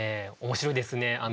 面白いですね。